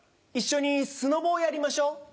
一緒にスノボをやりましょう。